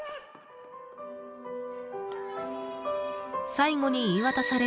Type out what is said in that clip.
［最後に言い渡される］